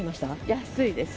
安いです。